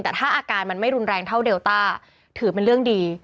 แต่ถ้าอาการมันไม่รุนแรงเท่าเดลต้าถือเป็นเรื่องดี